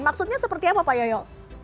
maksudnya seperti apa pak yoyo